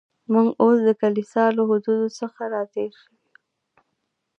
موږ اوس د کلیسا له حدودو څخه را تېر شوي و.